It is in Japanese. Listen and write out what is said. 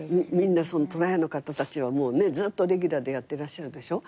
とらやの方たちはもうねずっとレギュラーでやってらっしゃるでしょ。